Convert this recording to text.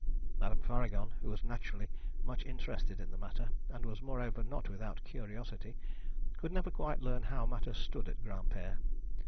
Madame Faragon, who was naturally much interested in the matter, and was moreover not without curiosity, could never quite learn how matters stood at Granpere.